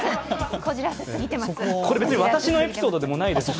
これ別に、私のエピソードでもないですし。